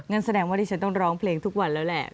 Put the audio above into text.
แสดงว่าดิฉันต้องร้องเพลงทุกวันแล้วแหละ